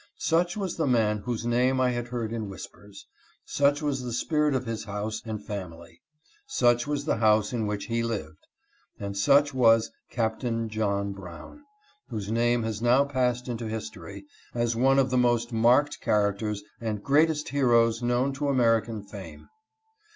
Such was the man whose name I had heard in whispers ; such was the spirit of his house and family ; such was the house in which he lived ; and such was Captain John Brown, whose name has now passed into history, as that of one of the most marked characters and greatest heroes known to American fame.